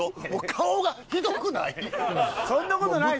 顔がひどくない？